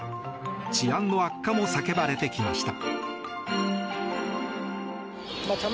治安の悪化も叫ばれてきました。